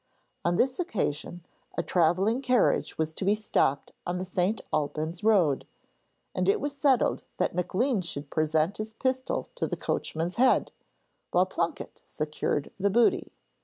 On this occasion a travelling carriage was to be stopped on the St. Albans road, and it was settled that Maclean should present his pistol to the coachman's head, while Plunket secured the booty.